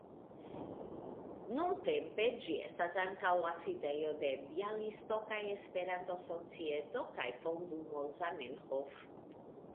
Nuntempe ĝi estas ankaŭ la sidejo de Bjalistoka Esperanto-Societo kaj Fondumo Zamenhof.